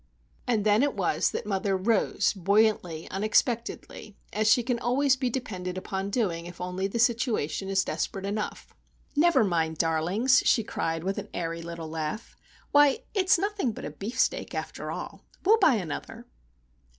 And then it was that mother "rose," buoyantly, unexpectedly, as she can always be depended upon doing, if only the situation is desperate enough. "Never mind, darlings," she cried, with an airy little laugh. "Why,—it's nothing but a beefsteak, after all. We'll buy another!"